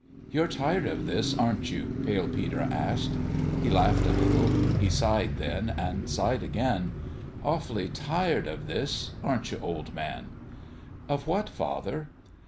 " You're tired of this, aren't you ?" Pale Peter asked. He laughed a little. He sighed, then and sighed again. " Awfully tired of this aren't you, old man ?" "Of what, father?"